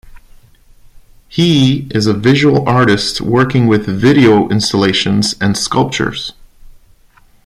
He is a visual artist working with video-installations and sculptures.